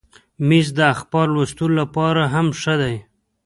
مېز د اخبار لوستلو لپاره هم ښه دی.